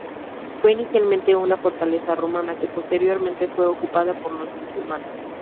Fue inicialmente una fortaleza romana, que posteriormente fue ocupada por los musulmanes.